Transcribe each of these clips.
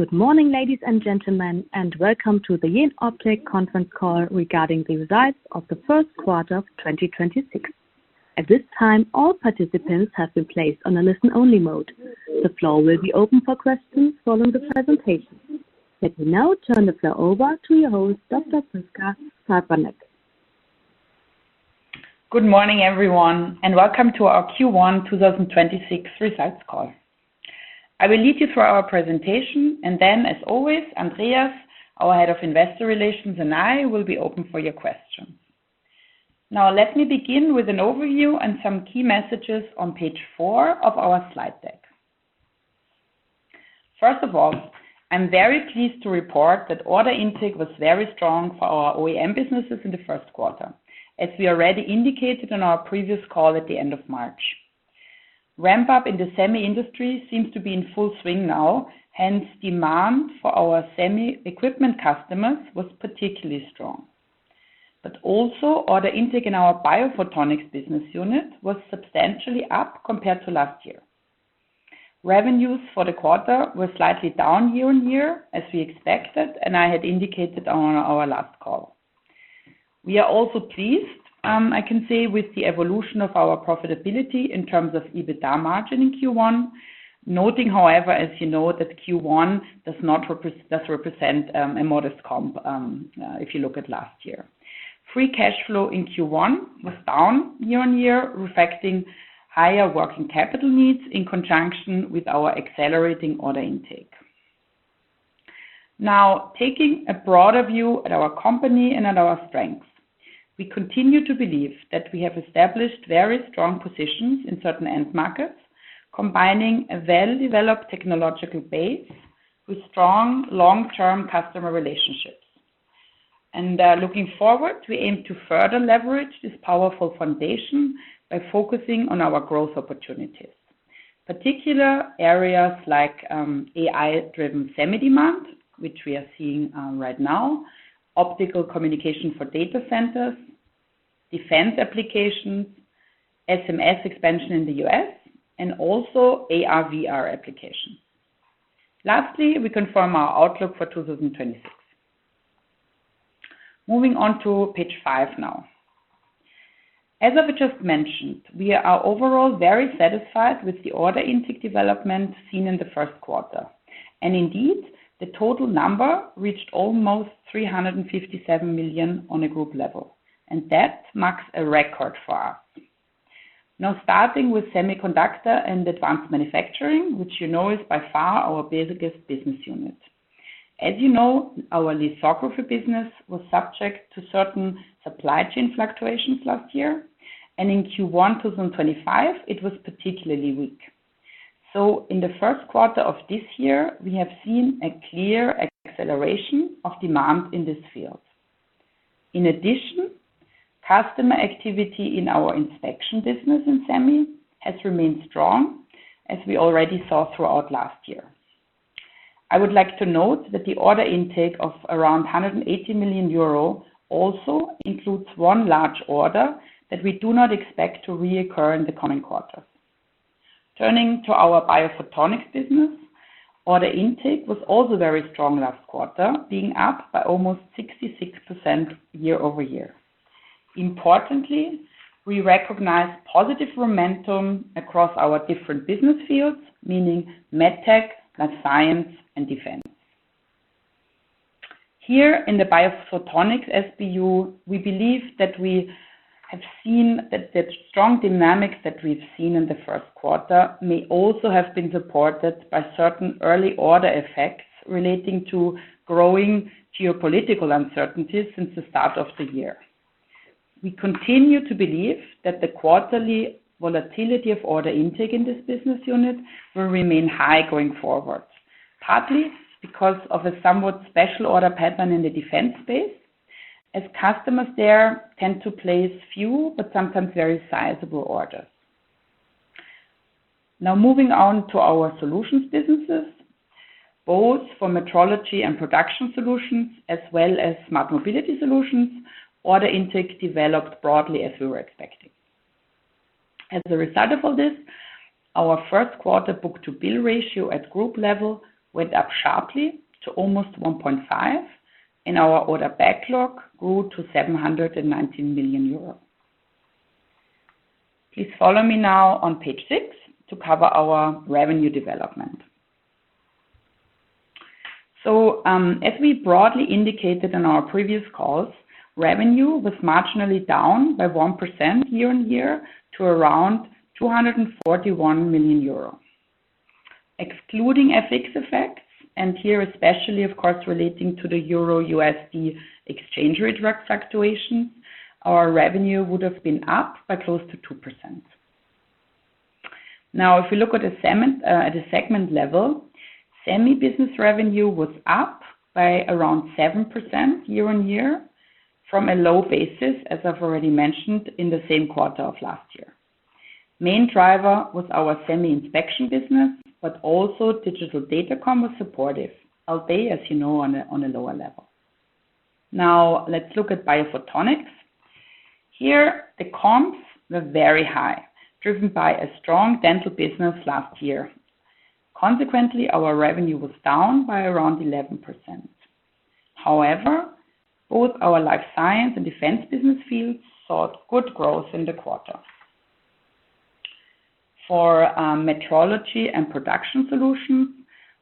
Good morning, ladies and gentlemen, and welcome to the Jenoptik conference call regarding the results of the first quarter of 2026. At this time, all participants have been placed on a listen-only mode. The floor will be open for questions following the presentation. Let me now turn the floor over to your host, Dr. Prisca Havranek-Kosicek. Good morning, everyone, and welcome to our Q1 2026 results call. I will lead you through our presentation, and then, as always, Andreas, our head of investor relations, and I will be open for your questions. Let me begin with an overview and some key messages on page four of our slide deck. First of all, I'm very pleased to report that order intake was very strong for our OEM businesses in the first quarter, as we already indicated on our previous call at the end of March. Ramp up in the semi industry seems to be in full swing now, hence demand for our semi equipment customers was particularly strong. Also order intake in our biophotonics business unit was substantially up compared to last year. Revenues for the quarter were slightly down year-on-year, as we expected, and I had indicated on our last call. We are also pleased, I can say, with the evolution of our profitability in terms of EBITDA margin in Q1. Noting, however, as you know, that Q1 does represent a modest comp, if you look at last year. Free cash flow in Q1 was down year-on-year, reflecting higher working capital needs in conjunction with our accelerating order intake. Taking a broader view at our company and at our strengths, we continue to believe that we have established very strong positions in certain end markets, combining a well-developed technological base with strong long-term customer relationships. Looking forward, we aim to further leverage this powerful foundation by focusing on our growth opportunities. Particular areas like AI-driven semi demand, which we are seeing right now, optical communication for data centers, defense applications, SMS expansion in the U.S., and also AR/VR applications. Lastly, we confirm our outlook for 2026. Moving on to page 5 now. As I've just mentioned, we are overall very satisfied with the order intake development seen in the first quarter. Indeed, the total number reached almost 357 million on a group level, and that marks a record for us. Now, starting with semiconductor and advanced manufacturing, which you know is by far our biggest business unit. As you know, our lithography business was subject to certain supply chain fluctuations last year, and in Q1 2025 it was particularly weak. In the first quarter of this year, we have seen a clear acceleration of demand in this field. In addition, customer activity in our inspection business in Semi has remained strong, as we already saw throughout last year. I would like to note that the order intake of around 180 million euro also includes one large order that we do not expect to reoccur in the coming quarters. Turning to our biophotonics business, order intake was also very strong last quarter, being up by almost 66% YoY. Importantly, we recognize positive momentum across our different business fields, meaning med tech, life science and defense. Here in the biophotonics SBU, we believe that we have seen that the strong dynamics that we've seen in the 1st quarter may also have been supported by certain early order effects relating to growing geopolitical uncertainties since the start of the year. We continue to believe that the quarterly volatility of order intake in this business unit will remain high going forward, partly because of a somewhat special order pattern in the defense space, as customers there tend to place few, but sometimes very sizable orders. Now moving on to our solutions businesses, both for Metrology & Production Solutions as well as Smart Mobility Solutions, order intake developed broadly as we were expecting. As a result of all this, our first quarter book-to-bill ratio at group level went up sharply to almost 1.5, and our order backlog grew to 719 million euros. Please follow me now on page 6 to cover our revenue development. As we broadly indicated on our previous calls, revenue was marginally down by 1% year-on-year to around 241 million euros. Excluding FX effects, and here especially, of course, relating to the Euro-USD exchange rate fluctuation, our revenue would have been up by close to 2%. Now, if you look at the segment level, Semi business revenue was up by around 7% YoY from a low basis, as I've already mentioned, in the same quarter of last year. Main driver was our Semi inspection business, but also digital datacom was supportive, albeit, as you know, on a lower level. Now let's look at biophotonics. Here, the comps were very high, driven by a strong dental business last year. Consequently, our revenue was down by around 11%. However, both our life science and defense business fields saw good growth in the quarter. For Metrology & Production Solutions,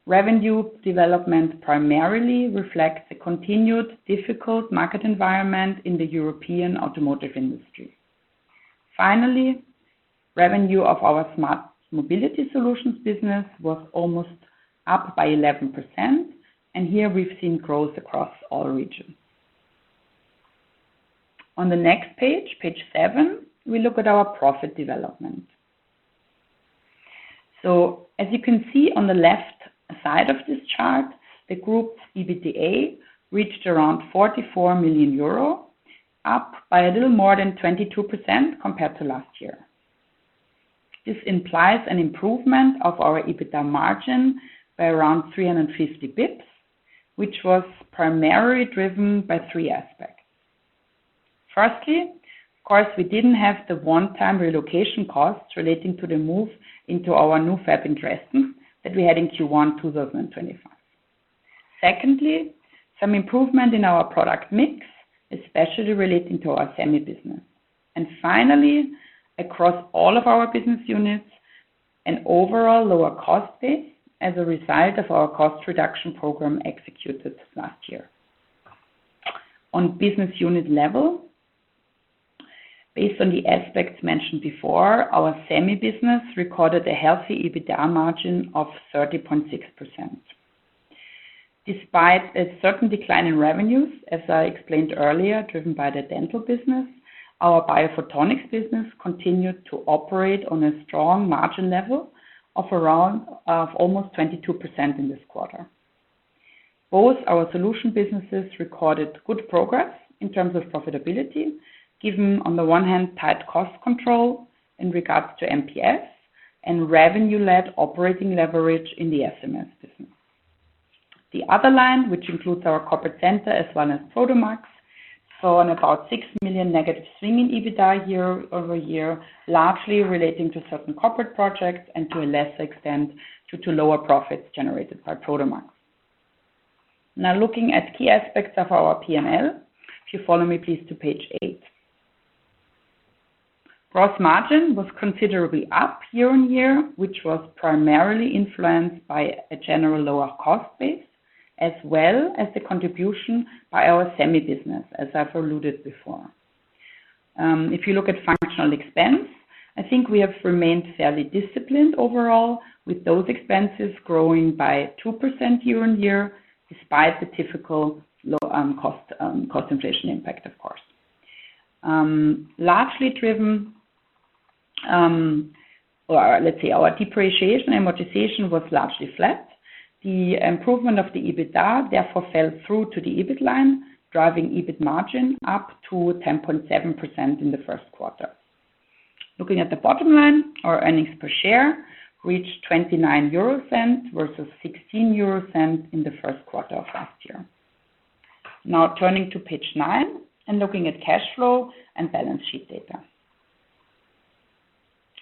revenue development primarily reflects the continued difficult market environment in the European automotive industry. Revenue of our Smart Mobility Solutions business was almost up by 11%, and here we've seen growth across all regions. On the next page seven, we look at our profit development. As you can see on the left side of this chart, the group EBITDA reached around 44 million euro, up by a little more than 22% compared to last year. This implies an improvement of our EBITDA margin by around 350 bps, which was primarily driven by three aspects. Firstly, of course, we didn't have the one-time relocation costs relating to the move into our new fab in Dresden that we had in Q1 2025. Secondly, some improvement in our product mix, especially relating to our Semi business. Finally, across all of our business units, an overall lower cost base as a result of our cost reduction program executed last year. On business unit level, based on the aspects mentioned before, our Semi business recorded a healthy EBITDA margin of 30.6%. Despite a certain decline in revenues, as I explained earlier, driven by the dental business, our Biophotonics business continued to operate on a strong margin level of around almost 22% in this quarter. Both our solution businesses recorded good progress in terms of profitability, given on the one hand tight cost control in regards to MPS, and revenue-led operating leverage in the SMS business. The other line, which includes our corporate center as well as Prodomax, saw an about EUR 6 million negative swinging EBITDA YoY, largely relating to certain corporate projects and to a lesser extent due to lower profits generated by Prodomax. Looking at key aspects of our P&L. If you follow me, please, to page eight. Gross margin was considerably up year-on-year, which was primarily influenced by a general lower cost base as well as the contribution by our Semi business, as I've alluded before. If you look at functional expense, I think we have remained fairly disciplined overall with those expenses growing by 2% year-on-year despite the typical low cost inflation impact, of course. Our depreciation, amortization was largely flat. The improvement of the EBITDA therefore fell through to the EBIT line, driving EBIT margin up to 10.7% in the first quarter. Looking at the bottom line, our earnings per share reached 0.29 versus 0.16 in the first quarter of last year. Turning to page nine and looking at cash flow and balance sheet data.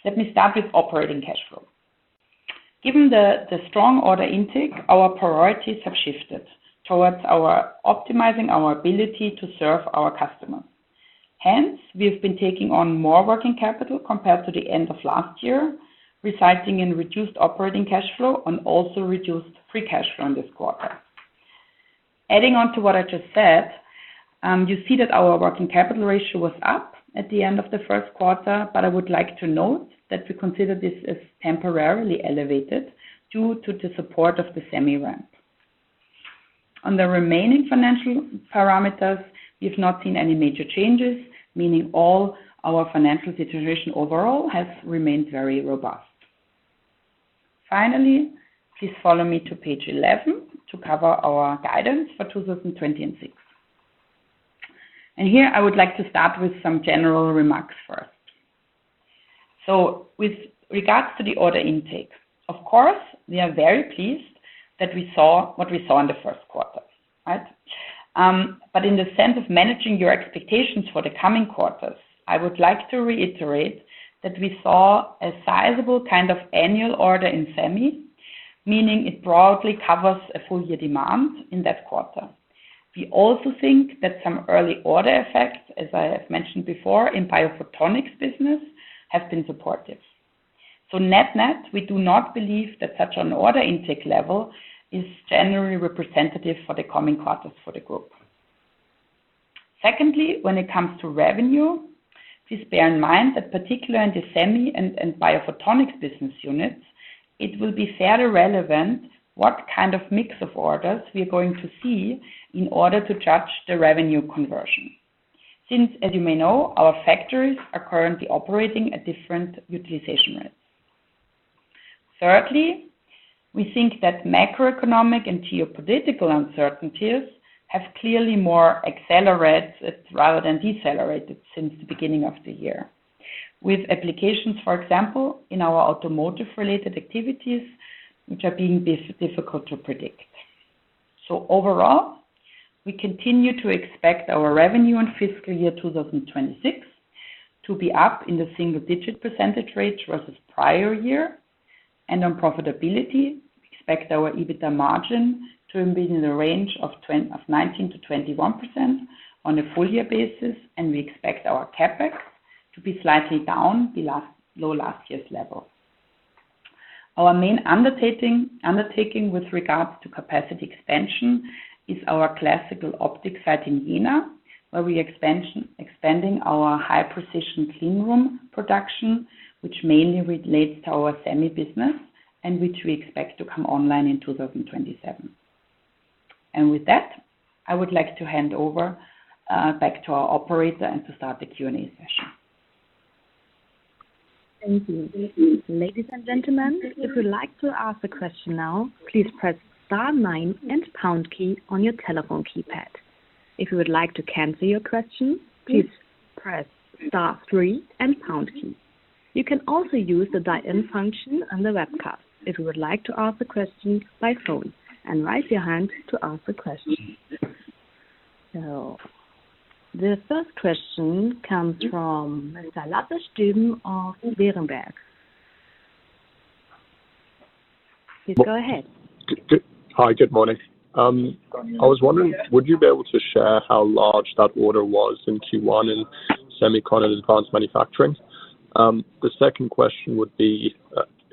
Let me start with operating cash flow. Given the strong order intake, our priorities have shifted towards our optimizing our ability to serve our customers. Hence, we have been taking on more working capital compared to the end of last year, resulting in reduced operating cash flow and also reduced free cash flow in this quarter. Adding on to what I just said, you see that our working capital ratio was up at the end of the first quarter, but I would like to note that we consider this as temporarily elevated due to the support of the Semi ramp. On the remaining financial parameters, we've not seen any major changes, meaning all our financial situation overall has remained very robust. Finally, please follow me to page 11 to cover our guidance for 2026. Here I would like to start with some general remarks first. With regards to the order intake, of course, we are very pleased that we saw what we saw in the first quarter, right? In the sense of managing your expectations for the coming quarters, I would like to reiterate that we saw a sizable kind of annual order in Semi, meaning it broadly covers a full year demand in that quarter. We also think that some early order effects, as I have mentioned before in biophotonics business, have been supportive. Net-net, we do not believe that such an order intake level is generally representative for the coming quarters for the group. Secondly when it comes to revenue, please bear in mind that particularly in the Semi and biophotonics business units, it will be fairly relevant what kind of mix of orders we are going to see in order to judge the revenue conversion. As you may know, our factories are currently operating at different utilization rates. Thirdly, we think that macroeconomic and geopolitical uncertainties have clearly more accelerated rather than decelerated since the beginning of the year. With applications, for example, in our automotive-related activities, which are being difficult to predict. Overall, we continue to expect our revenue in FY 2026 to be up in the single-digit percentage rates versus prior year. On profitability, we expect our EBITDA margin to be in the range of 19%-21% on a full year basis, and we expect our CapEx to be slightly down below last year's level. Our main undertaking with regards to capacity expansion is our classical optic site in Jena, where we expanding our high-precision cleanroom production, which mainly relates to our Semi business and which we expect to come online in 2027. With that, I would like to hand over back to our operator and to start the Q&A session. Thank you. Ladies and gentlemen if you would like to ask a question now please press star nine and pound key on your telephone keypad. If you would like to cancel the question, please press star three and pound key. You can also use the dial-in function on the web cast. It would like to ask the question by phone and raise your hand to ask a question. The first question comes from Lasse Stüben of Berenberg. Please go ahead. Hi, good morning. I was wondering, would you be able to share how large that order was in Q1 in Semiconductor and Advanced Manufacturing? The second question would be,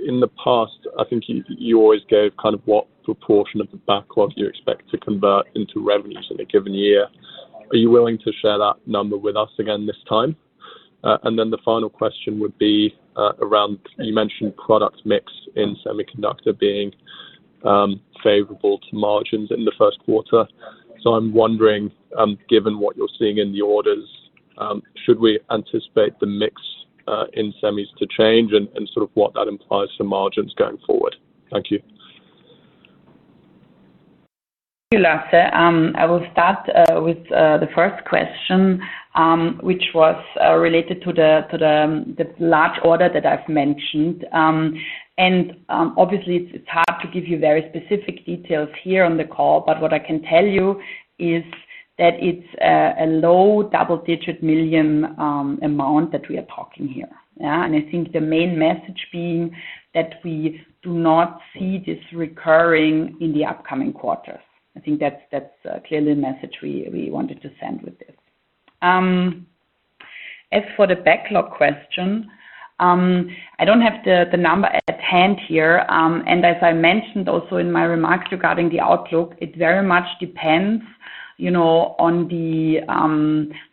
in the past, I think you always gave kind of what proportion of the backlog you expect to convert into revenues in a given year. Are you willing to share that number with us again this time? The final question would be around, you mentioned product mix in semiconductor being favorable to margins in the first quarter. I'm wondering, given what you're seeing in the orders, should we anticipate the mix in semis to change and sort of what that implies for margins going forward? Thank you. Thank you, Lasse. I will start with the first question, which was related to the large order that I've mentioned. Obviously it's hard to give you very specific details here on the call, but what I can tell you is that it's a low double-digit million amount that we are talking here. I think the main message being that we do not see this recurring in the upcoming quarters. I think that's clearly the message we wanted to send with this. As for the backlog question, I don't have the number at hand here. And as I mentioned also in my remarks regarding the outlook, it very much depends, you know, on the,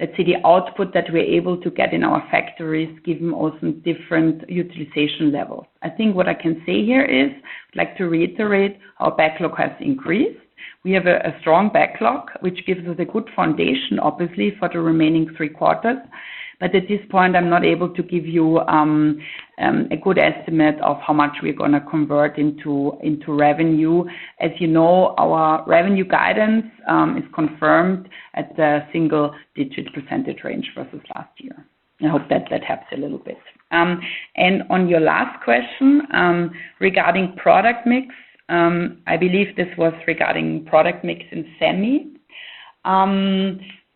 let's say the output that we're able to get in our factories, given also different utilization levels. I think what I can say here is I'd like to reiterate our backlog has increased. We have a strong backlog, which gives us a good foundation, obviously for the remaining three quarters. At this point, I'm not able to give you a good estimate of how much we're gonna convert into revenue. As you know, our revenue guidance is confirmed at the single-digit percentage range versus last year. I hope that that helps a little bit. And on your last question, regarding product mix, I believe this was regarding product mix in Semi.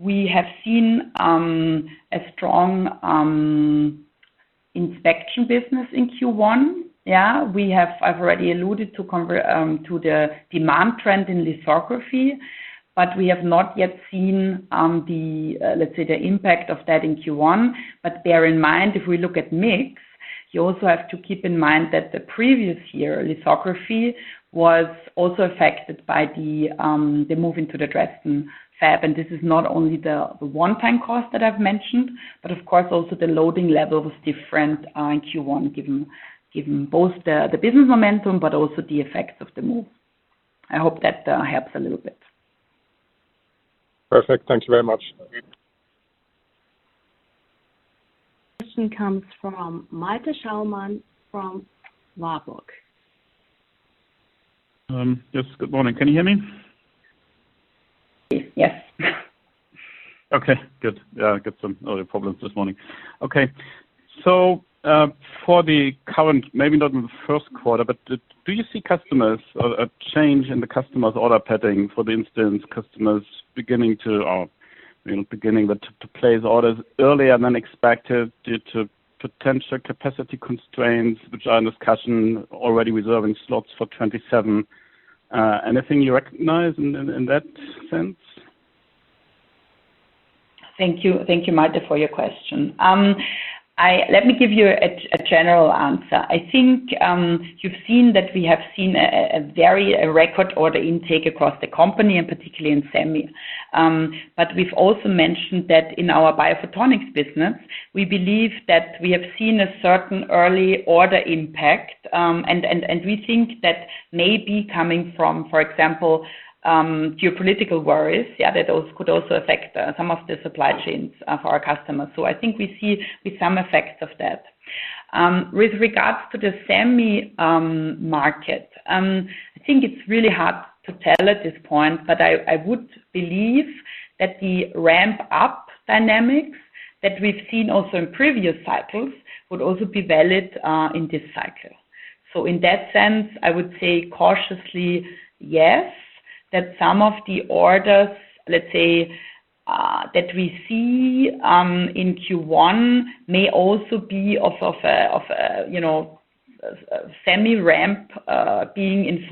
We have seen a strong inspection business in Q1. I've already alluded to the demand trend in lithography, but we have not yet seen the, let's say the impact of that in Q1. Bear in mind, if we look at mix, you also have to keep in mind that the previous year lithography was also affected by the move into the Dresden Fab. This is not only the one time cost that I've mentioned, but of course also the loading level was different in Q1, given both the business momentum, but also the effects of the move. I hope that helps a little bit. Perfect. Thank you very much. Next question comes from Malte Schaumann from Warburg. Yes, good morning. Can you hear me? Yes. Okay, good. Yeah, I got some audio problems this morning. Okay. For the current, maybe not in the first quarter, but do you see customers or a change in the customer's order pattern, for instance, customers beginning to, or, you know, beginning to place orders earlier than expected due to potential capacity constraints, which are in discussion already reserving slots for 27? Anything you recognize in that sense? Thank you. Thank you, Malte, for your question. Let me give you a general answer. I think, you've seen that we have seen a very record order intake across the company and particularly in Semi. We've also mentioned that in our biophotonics business, we believe that we have seen a certain early order impact. We think that may be coming from, for example, geopolitical worries that also could also affect some of the supply chains for our customers. I think we see some effects of that. With regards to the Semi market, I think it's really hard to tell at this point, but I would believe that the ramp up dynamics that we've seen also in previous cycles would also be valid in this cycle. In that sense, I would say cautiously, yes, that some of the orders, let's say, that we see in Q1 may also be of a semi ramp being at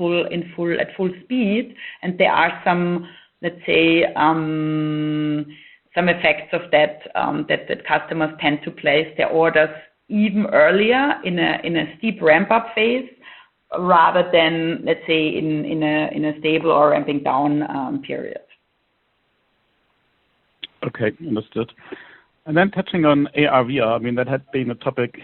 full speed. There are some, let's say, some effects of that customers tend to place their orders even earlier in a steep ramp-up phase, rather than, let's say, in a stable or ramping down period. Okay. Understood. Touching on AR/VR, I mean, that had been a topic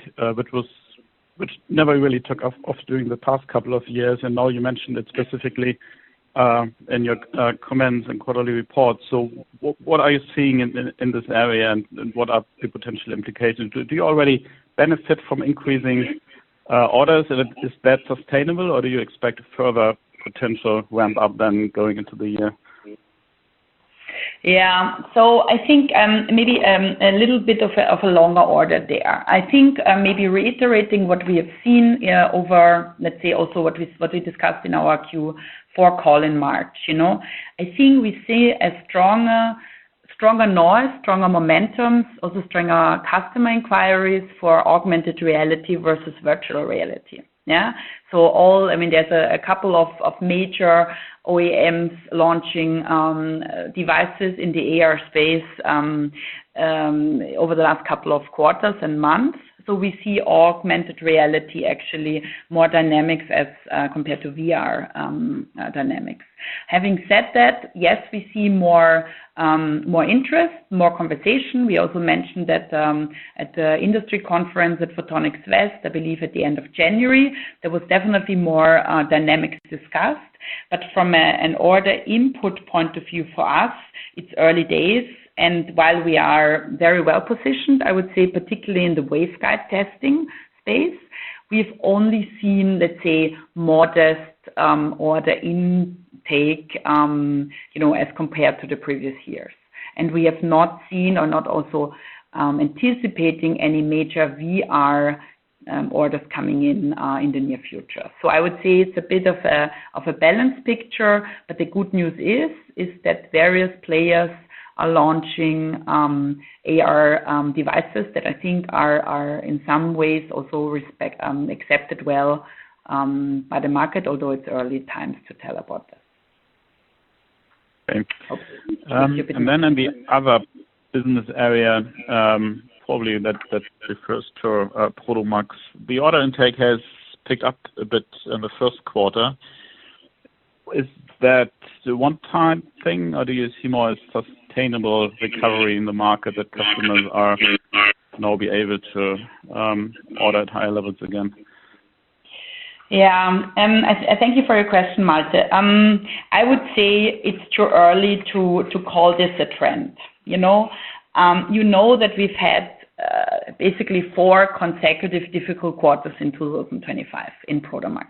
which never really took off during the past couple of years, and now you mentioned it specifically in your comments and quarterly reports. What are you seeing in this area, and what are the potential implications? Do you already benefit from increasing orders? Is that sustainable, or do you expect further potential ramp up then going into the year? I think maybe a little bit of a, of a longer order there. I think maybe reiterating what we have seen over, let's say also what we, what we discussed in our Q4 call in March, you know. I think we see a stronger noise, stronger momentum, also stronger customer inquiries for augmented reality versus virtual reality. I mean, there's a couple of major OEMs launching devices in the AR space over the last couple of quarters and months. We see augmented reality actually more dynamics as compared to VR dynamics. Having said that, yes, we see more interest, more conversation. We also mentioned that at the industry conference at Photonics West, I believe at the end of January, there was definitely more dynamics discussed. From an order input point of view for us, it's early days, and while we are very well-positioned, I would say particularly in the waveguide testing space, we've only seen, let's say, modest order intake, you know, as compared to the previous years. We have not seen or not also anticipating any major VR orders coming in in the near future. I would say it's a bit of a, of a balanced picture, but the good news is that various players are launching AR devices that I think are in some ways also accepted well by the market, although it's early times to tell about this. Thanks. In the other business area, probably that refers to Prodomax. The order intake has picked up a bit in the first quarter. Is that a one-time thing, or do you see more sustainable recovery in the market that customers are now be able to order at higher levels again? I thank you for your question, Malte. I would say it's too early to call this a trend, you know. You know that we've had basically four consecutive difficult quarters in 2025 in Prodomax.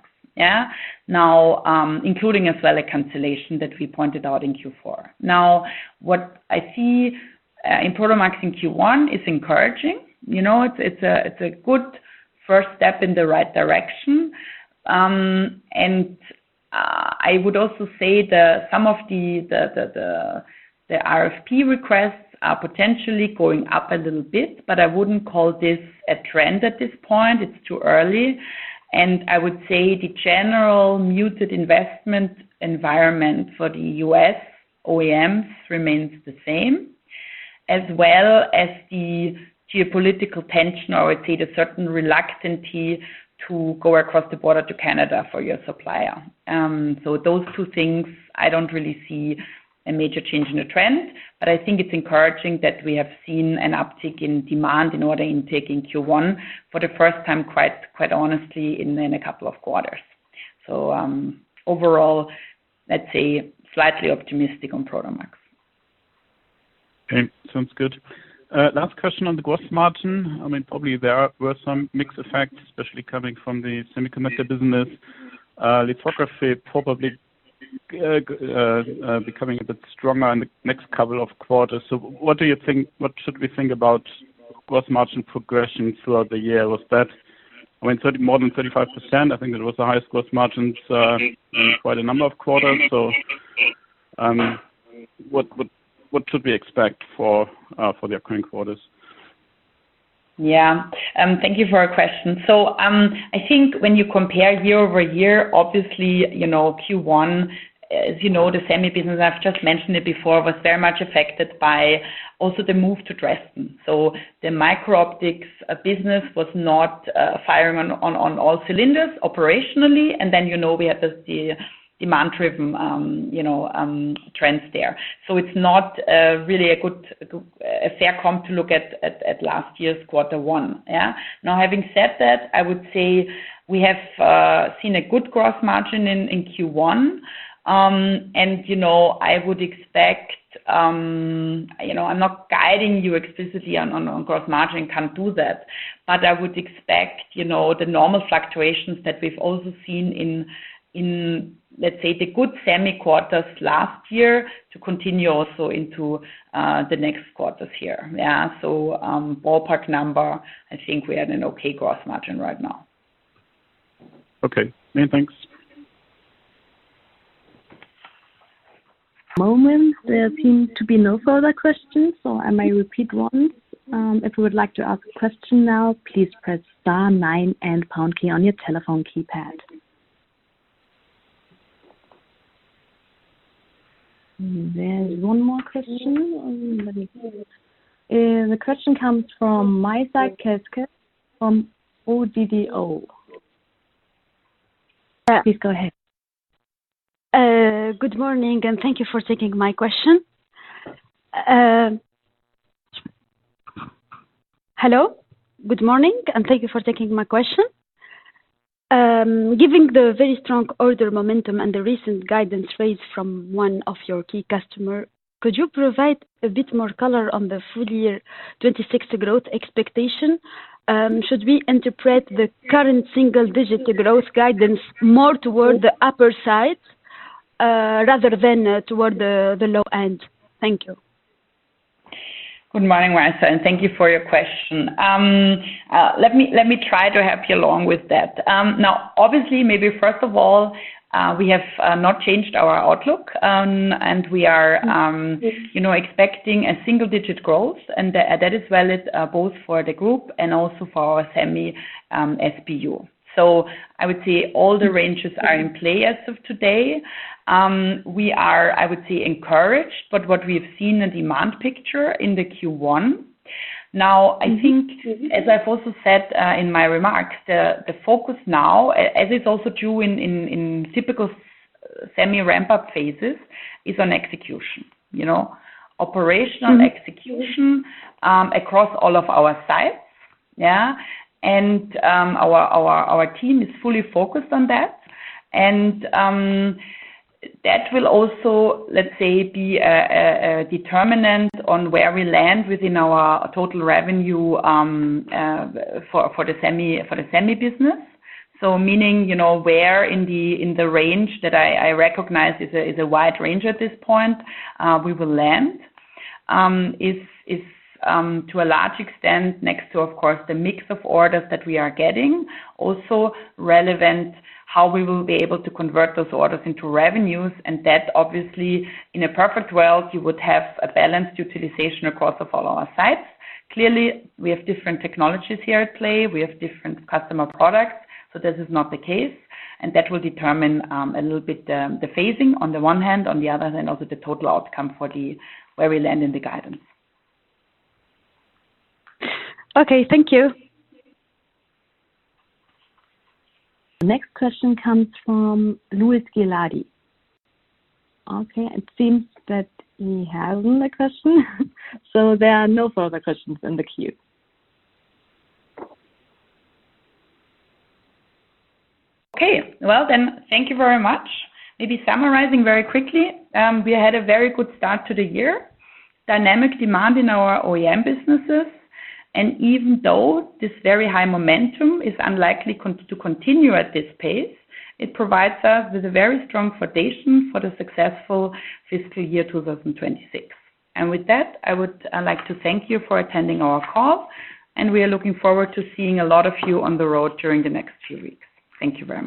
Now, including as well a cancellation that we pointed out in Q4. Now, what I see in Prodomax in Q1 is encouraging. You know, it's a good first step in the right direction. I would also say some of the RFP requests are potentially going up a little bit, but I wouldn't call this a trend at this point. It's too early. I would say the general muted investment environment for the U.S. OEMs remains the same, as well as the geopolitical tension, or I would say the certain reluctancy to go across the border to Canada for your supplier. Those two things, I don't really see a major change in the trend, but I think it's encouraging that we have seen an uptick in demand and order intake in Q1 for the first time, quite honestly, in a couple of quarters. Overall, let's say slightly optimistic on Prodomax. Sounds good. Last question on the gross margin. I mean, probably there were some mixed effects, especially coming from the semiconductor business. Lithography probably becoming a bit stronger in the next couple of quarters. What should we think about gross margin progression throughout the year? Was that, I mean, more than 35%, I think that was the highest gross margins in quite a number of quarters. What should we expect for the upcoming quarters? Thank you for your question. I think when you compare YoY, obviously, you know, Q1, as you know, the Semi business, I've just mentioned it before, was very much affected by also the move to Dresden. The micro-optics business was not firing on all cylinders operationally. You know, we had the demand-driven, you know, trends there. It's not really a good, a fair comp to look at last year's quarter one. Having said that, I would say we have seen a good gross margin in Q1. You know, I'm not guiding you explicitly on gross margin, can't do that. I would expect, you know, the normal fluctuations that we've also seen in, let's say, the good semi quarters last year to continue also into the next quarters here. Yeah. Ballpark number, I think we had an okay gross margin right now. Okay. Yeah, thanks. Moment. There seem to be no further questions, so I may repeat once. If you would like to ask a question now, please press star nine and pound key on your telephone keypad. There is one more question. Let me see. The question comes from Maïssa Keskes from ODDO. Yeah. Please go ahead. Hello, good morning, thank you for taking my question. giving the very strong order momentum and the recent guidance raise from one of your key customer, could you provide a bit more color on the full year 2026 growth expectation? Should we interpret the current single-digit growth guidance more toward the upper side, rather than toward the low end? Thank you. Good morning, Maïssa. Thank you for your question. Let me try to help you along with that. Now, obviously, maybe first of all, we have not changed our outlook, and we are, you know, expecting a single digit growth, and that is valid both for the group and also for our semi SBU. I would say all the ranges are in play as of today. We are, I would say, encouraged by what we've seen in demand picture in the Q1. Now, I think, as I've also said in my remarks, the focus now, as it's also true in typical semi ramp-up phases, is on execution. You know. Operational execution across all of our sites. Yeah. Our team is fully focused on that. That will also, let's say, be a determinant on where we land within our total revenue for the Semi business. Meaning, you know, where in the range that I recognize is a wide range at this point, we will land. Is to a large extent, next to, of course, the mix of orders that we are getting, also relevant how we will be able to convert those orders into revenues. That obviously in a perfect world, you would have a balanced utilization across of all our sites. Clearly, we have different technologies here at play. We have different customer products, so this is not the case. That will determine a little bit the phasing on the one hand, on the other hand, also the total outcome where we land in the guidance. Okay. Thank you. The next question comes from Luis Gilady. Okay. It seems that he hasn't a question. There are no further questions in the queue. Thank you very much. Maybe summarizing very quickly, we had a very good start to the year. Dynamic demand in our OEM businesses, even though this very high momentum is unlikely to continue at this pace, it provides us with a very strong foundation for the successful fiscal year 2026. With that, I would like to thank you for attending our call, we are looking forward to seeing a lot of you on the road during the next few weeks. Thank you very much.